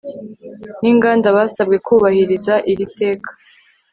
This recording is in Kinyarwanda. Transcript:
n Inganda basabwe kubahiriza iri teka